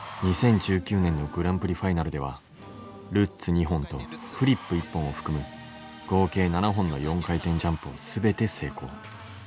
２０１９年のグランプリファイナルではルッツ２本とフリップ１本を含む合計７本の４回転ジャンプを全て成功。